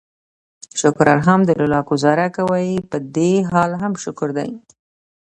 شکر الحمدلله ګوزاره کوي، پدې حال هم شکر دی.